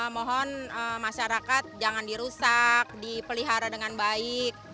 mohon masyarakat jangan dirusak dipelihara dengan baik